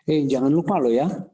eh jangan lupa loh ya